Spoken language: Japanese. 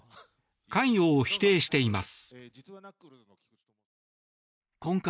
関与を否定しています。